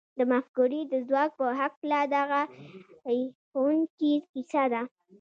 د مفکورې د ځواک په هکله دغه هیښوونکې کیسه ده